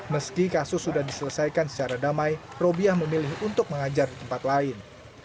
meski kasus sudah diselesaikan secara damai robiah memilih untuk mengajar di tempat lain